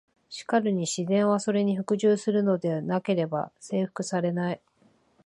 しかるに「自然は、それに服従するのでなければ征服されない」。